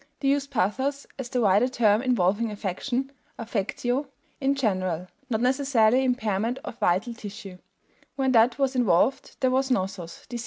They used pathos as the wider term involving affection (affectio) in general, not necessarily impairment of vital tissue; when that was involved there was nosos, disease.